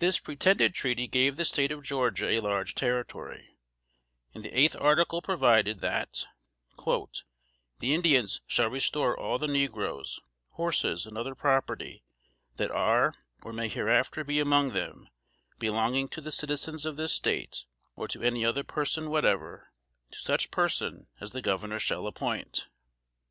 This pretended treaty gave the State of Georgia a large territory; and the eighth article provided, that "the Indians shall restore all the negroes, horses and other property, that are or may hereafter be among them, belonging to the citizens of this State, or to any other person whatever, to such person as the governor shall appoint."